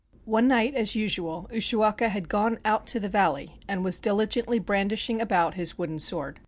One night as usual Ushiwaka had gone out to the valley and was dihgently brandishing about his wooden sword.